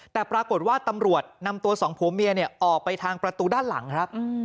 แต่ปรากฏว่าตำรวจนำตัวสองผัวเมียออกไปทางประตูด้านหลังครับ